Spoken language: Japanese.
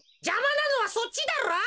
じゃまなのはそっちだろ！